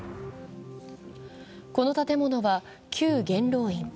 この建物は旧元老院。